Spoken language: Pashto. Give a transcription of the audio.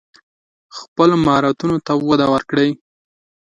خپلو مهارتونو ته وده ورکړئ.